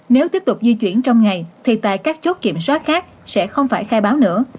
nếu tiếp tục di chuyển trong ngày thì tại các chốt kiểm soát khác sẽ không phải khai báo nữa